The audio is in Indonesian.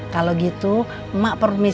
kalau gitu mak permisi dulu ya